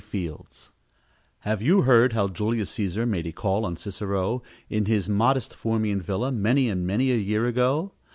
FIELDS Have you read how Julius Cæsar Made a call on Cicero In his modest Formian villa, Many and many a year ago?